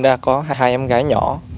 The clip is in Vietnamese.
ra có hai em gái nhỏ